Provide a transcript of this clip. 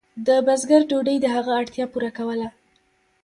د بزګر ډوډۍ د هغه اړتیا پوره کوله.